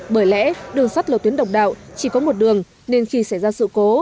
bởi lẽ đường sắt lầu tuyến độc đạo chỉ có một đường nên khi xảy ra sự cố